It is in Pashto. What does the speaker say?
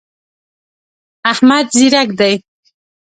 احمد ځیرک دی.